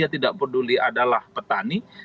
tidak peduli adalah petani